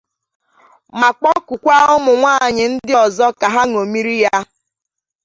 ma kpọkuokwa ụmụ nwaanyị ndị ọzọ ka ha ñomiri ya.